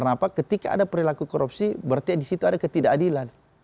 bahwa ketika ada perilaku korupsi berarti di situ ada ketidakadilan